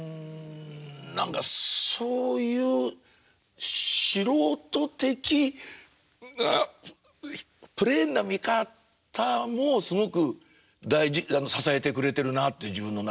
何かそういう素人的なプレーンな見方もすごく支えてくれてるなって自分の中で。